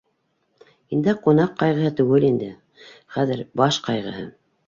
Һиндә ҡунаҡ ҡайғыһы түгел инде хәҙер, баш ҡайғыһы.